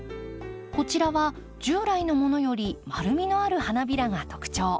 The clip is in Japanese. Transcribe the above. こちらは従来のものより丸みのある花びらが特徴。